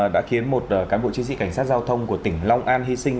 đã khiến một cán bộ chiến sĩ cảnh sát giao thông của tỉnh long an hy sinh